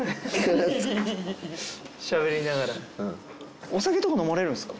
しゃべりながら。